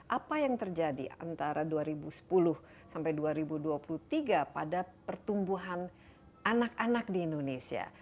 apa yang terjadi antara dua ribu sepuluh sampai dua ribu dua puluh tiga pada pertumbuhan anak anak di indonesia